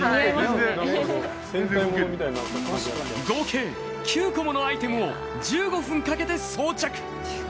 合計９個ものアイテムを１５分かけて装着。